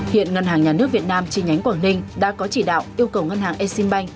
hiện ngân hàng nhà nước việt nam chi nhánh quảng ninh đã có chỉ đạo yêu cầu ngân hàng exim bank